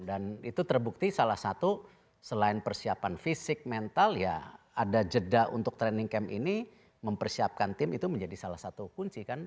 dan itu terbukti salah satu selain persiapan fisik mental ya ada jeda untuk training camp ini mempersiapkan tim itu menjadi salah satu kunci kan